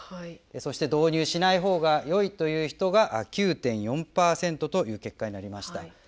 そして「導入しないほうがよい」という人が９．４％という結果になりました。